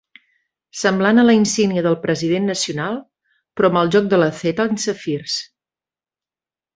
Semblant a la insígnia del president nacional, però amb el joc de la theta en safirs.